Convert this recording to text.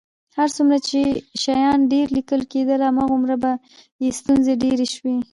هر څومره چې شیان ډېر لیکل کېدل، همغومره به یې ستونزې ډېرې شوې.